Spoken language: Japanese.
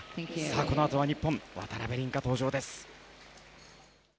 このあとは日本、渡辺倫果登場です。